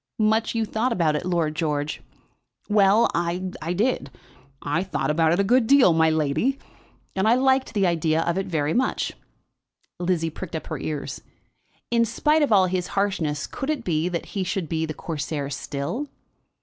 "Much you thought about it, Lord George." "Well; I did. I thought about it a good deal, my lady. And I liked the idea of it very much." Lizzie pricked up her ears. In spite of all his harshness, could it be that he should be the Corsair still?